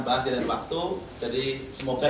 bahas jadikan waktu jadi semoga